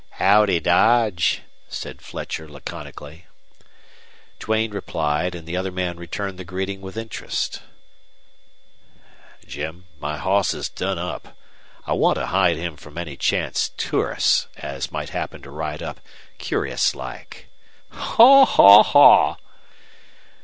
"Howdy, Dodge," said Fletcher, laconically. Duane replied, and the other man returned the greeting with interest. "Jim, my hoss 's done up. I want to hide him from any chance tourists as might happen to ride up curious like." "Haw! haw! haw!"